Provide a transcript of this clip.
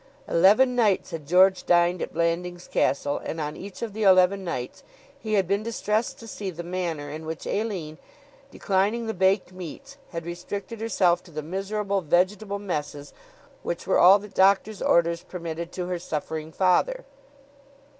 Eleven nights had George dined at Blandings Castle, and on each of the eleven nights he had been distressed to see the manner in which Aline, declining the baked meats, had restricted herself to the miserable vegetable messes which were all that doctor's orders permitted to her suffering father.